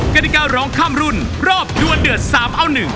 กฎิการ้องข้ามรุ่นรอบดวนเดือด๓เอา๑